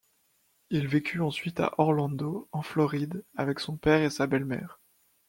Il vécut ensuite à Orlando en Floride avec son père et sa belle-mère.